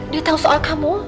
dia tau soal kamu